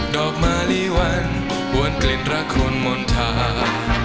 ดอกมะลิวันปวนกลิ่นรักคนมณฑา